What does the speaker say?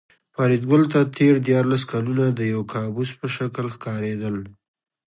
فریدګل ته تېر دیارلس کلونه د یو کابوس په شکل ښکارېدل